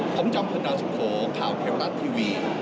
ความจำพิจารณสุขข่าวเควรัตน์ทีวี